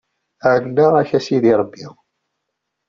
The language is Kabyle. Ɛennaɣ-k a sidi Ṛebbi.